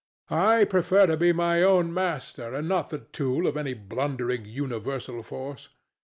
I prefer to be my own master and not the tool of any blundering universal force.